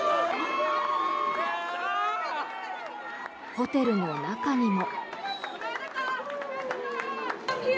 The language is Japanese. ホテルの中にも。